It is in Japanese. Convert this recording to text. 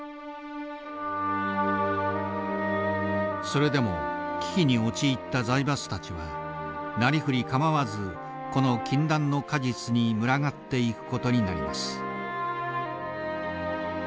それでも危機に陥った財閥たちはなりふり構わずこの禁断の果実に群がっていくことになります。